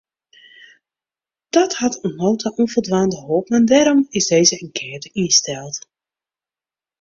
Dat hat oant no ta ûnfoldwaande holpen en dêrom is dizze enkête ynsteld.